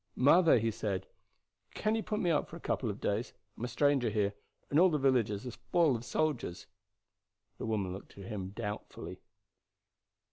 "Mother," he said, "can you put me up for a couple of days? I am a stranger here, and all the villages are full of soldiers." The woman looked at him doubtfully.